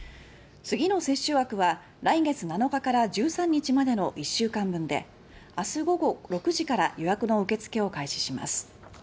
次の接種枠は来月７日から１３日までの１週間分で明日、午後６時から予約の受付を開始します。